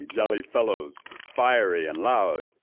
—jolly fellows, fiery, and loud!